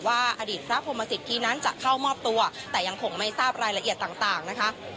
อดีตพระพรหมสิทธินั้นจะเข้ามอบตัวแต่ยังคงไม่ทราบรายละเอียดต่างนะคะ